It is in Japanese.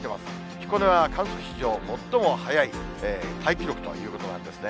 彦根は観測史上最も早いタイ記録ということなんですね。